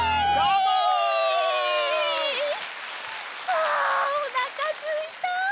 あおなかすいた！